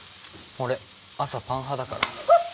俺朝パン派だからあっ！